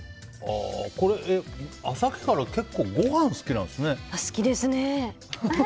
さっきから結構ご飯好きなんですね。